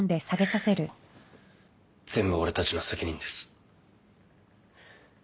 全部俺たちの責任です。